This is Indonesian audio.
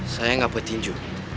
saya gak pedinju